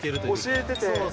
教えてて。